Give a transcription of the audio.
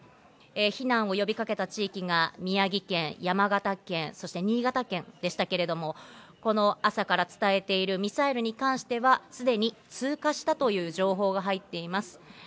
避難を呼びかけた地域が宮城県、山形県そして新潟県でしたけれども、この朝から伝えているミサイルに関してはすでに通過したという情報が入っています。